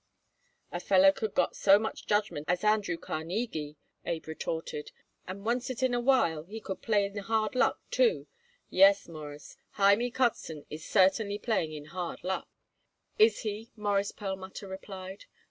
"A feller could got so much judgment as Andrew Carnegie," Abe retorted, "and oncet in a while he could play in hard luck too. Yes, Mawruss, Hymie Kotzen is certainly playing in hard luck." "Is he?" Morris Perlmutter replied.